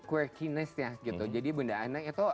quirkinessnya gitu jadi bunda ana itu